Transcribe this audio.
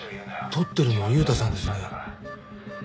撮ってるのは悠太さんですね。